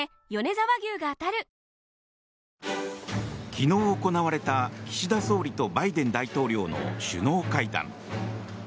昨日、行われた岸田総理とバイデン大統領の首脳会談。